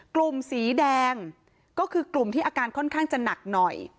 กลุ่มสีแดงก็คือกลุ่มที่อาการค่อนข้างจะหนักหน่อย